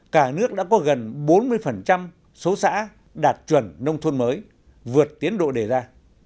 cả nước đã có gần bốn mươi số xã đạt chuẩn nông thôn mới vượt tiến độ đề ra